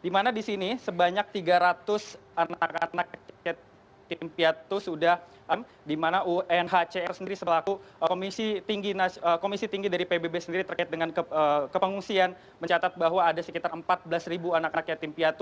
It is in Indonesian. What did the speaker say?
di mana di sini sebanyak tiga ratus anak anak tim piatu sudah dimana unhcr sendiri selaku komisi tinggi dari pbb sendiri terkait dengan kepengungsian mencatat bahwa ada sekitar empat belas anak rakyat tim piatu